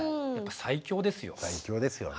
最強ですよね。